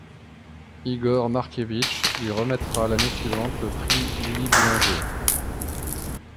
Igor Markévitch lui remettra l'année suivante le prix Lili Boulanger.